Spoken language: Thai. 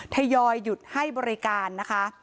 ทยอยหยุดให้บริการนะคะ